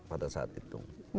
pada saat itu